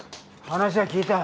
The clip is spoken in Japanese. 話は聞いた。